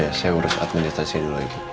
ya saya urus administrasi dulu lagi